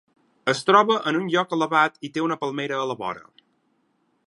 Es troba en un lloc elevat, i té una palmera a la vora.